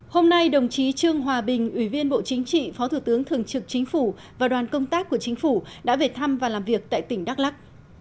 hôm nay đồng chí trương hòa bình ủy viên bộ chính trị phó thủ tướng thường trực chính phủ và đoàn công tác của chính phủ đã về thăm và làm việc tại tỉnh đắk lắc